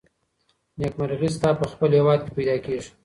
نېکمرغي ستا په خپل هیواد کي پیدا کیږي.